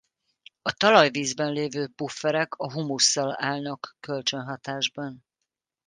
A talajvízben levő pufferek a humusszal állnak kölcsönhatásban.